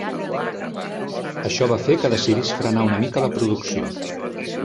Això va fer que decidís frenar una mica la producció.